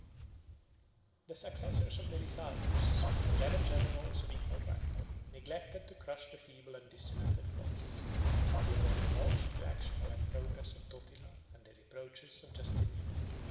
] The successors of Belisarius, eleven generals of equal rank, neglected to crush the feeble and disunited Goths, till they were roused to action by the progress of Totila and the reproaches of Justinian.